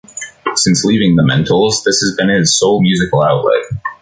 Since leaving the Mentals this has been his sole musical outlet.